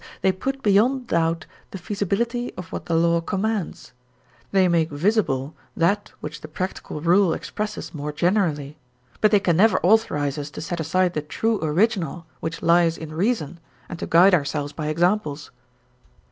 they put beyond doubt the feasibility of what the law commands, they make visible that which the practical rule expresses more generally, but they can never authorize us to set aside the true original which lies in reason and to guide ourselves by examples.